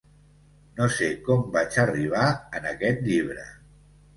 No sé com vaig arribar en aquest llibre.